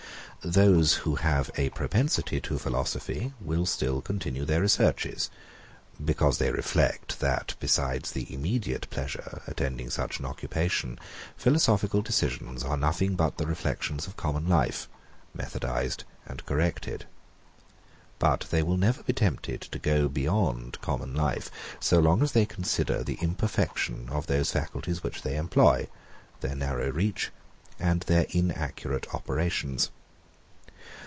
Those who have a propensity to philosophy, will still continue their researches; because they reflect, that, besides the immediate pleasure, attending such an occupation, philosophical decisions are nothing but the reflections of common life, methodized and corrected. But they will never be tempted to go beyond common life, so long as they consider the imperfection of those faculties which they employ, their narrow reach, and their inaccurate operations.